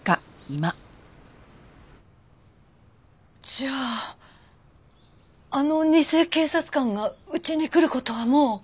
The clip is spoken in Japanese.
じゃああの偽警察官がうちに来る事はもう。